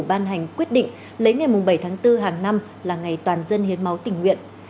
ban hành quyết định lấy ngày bảy tháng bốn hàng năm là ngày toàn dân hiến máu tình nguyện